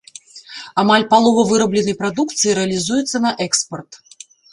Амаль палова вырабленай прадукцыі рэалізуецца на экспарт.